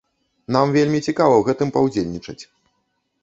Нам вельмі цікава ў гэтым паўдзельнічаць.